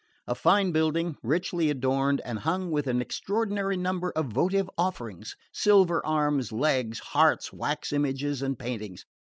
A fine building, richly adorned, and hung with an extraordinary number of votive offerings: silver arms, legs, hearts, wax images, and paintings.